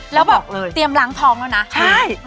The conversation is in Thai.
แล้วแบบเตรียมล้างท้องแล้วนะ